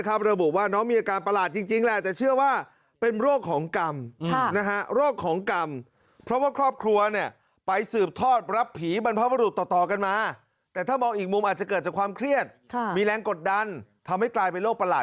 ความจริงของเส้นไหว้น้องเกิดอาการเลยนะ